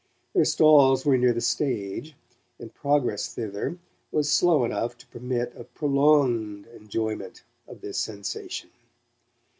Their stalls were near the stage, and progress thither was slow enough to permit of prolonged enjoyment of this sensation.